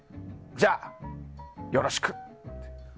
じゃ、よろしく！